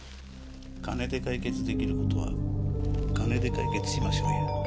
金で解決できることは金で解決しましょうや。